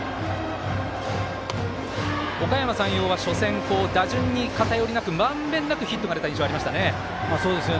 おかやま山陽は、初戦打順に偏りなくまんべんなくヒットが出た印象がありましたね。